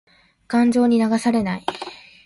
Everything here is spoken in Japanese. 感情に流されない。